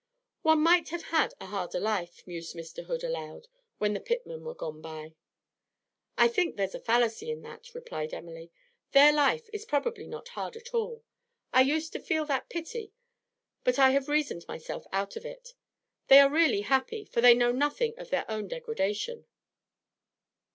'One might have had a harder life,' mused Mr. Hood aloud, when the pitmen were gone by. 'I think there's a fallacy in that,' replied Emily. 'Their life is probably not hard at all. I used to feel that pity, but I have reasoned myself out of it. They are really happy, for they know nothing of their own degradation.'